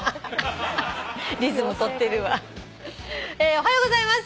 「おはようございます。